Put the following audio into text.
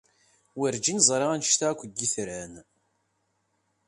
Werǧin ẓriɣ anect-a akk n yitran.